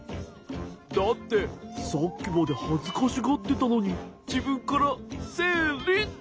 だってさっきまではずかしがってたのにじぶんから「せいり」っていったから。